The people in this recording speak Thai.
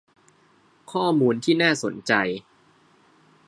ข้อมูลที่น่าสนใจ